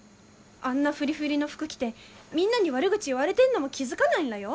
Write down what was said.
あんなフリフリの服着てみんなに悪口言われてんのも気付かないんらよ。